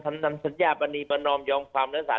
ทำดำชัดยาปรณีประนอมยอมความรักษา